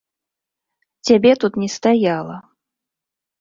Цябе тут не стаяла.